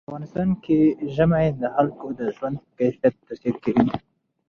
په افغانستان کې ژمی د خلکو د ژوند په کیفیت تاثیر کوي.